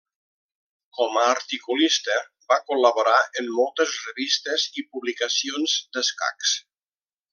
Com a articulista, va col·laborar en moltes revistes i publicacions d'escacs.